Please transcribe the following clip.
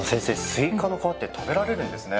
スイカの皮って食べられるんですね。